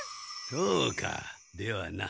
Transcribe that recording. そうかではな。